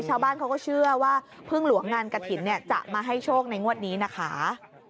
ชาวบ้านเขาก็เชื่อว่าพึ่งหลวงงานกระถิ่นจะมาให้โชคในงวดนี้นะคะ